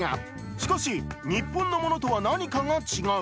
しかし、日本のものとは何かが違う。